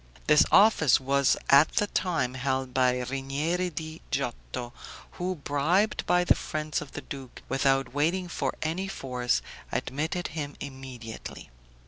This office was at that time held by Rinieri di Giotto, who, bribed by the friends of the duke, without waiting for any force, admitted him immediately.